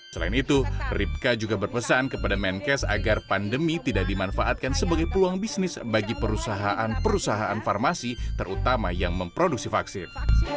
selain itu ripka juga berpesan kepada menkes agar pandemi tidak dimanfaatkan sebagai peluang bisnis bagi perusahaan perusahaan farmasi terutama yang memproduksi vaksin